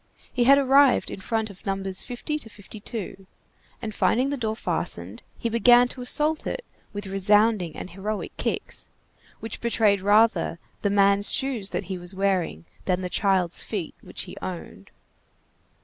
He had arrived in front of No. 50 52, and finding the door fastened, he began to assault it with resounding and heroic kicks, which betrayed rather the man's shoes that he was wearing than the child's feet which he owned.